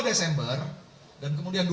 jadi pemberlakuan sejak dua puluh dua desember